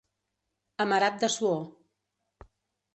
Amarat de suor.